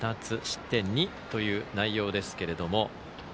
失点２という内容ですけれども。